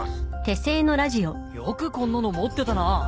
よくこんなの持ってたな。